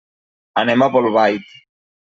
Anem a Bolbait.